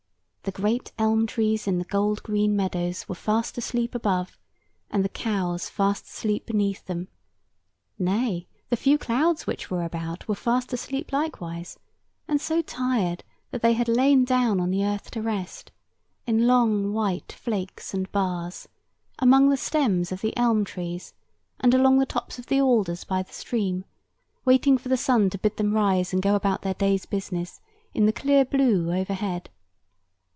The great elm trees in the gold green meadows were fast asleep above, and the cows fast asleep beneath them; nay, the few clouds which were about were fast asleep likewise, and so tired that they had lain down on the earth to rest, in long white flakes and bars, among the stems of the elm trees, and along the tops of the alders by the stream, waiting for the sun to bid them rise and go about their day's business in the clear blue overhead.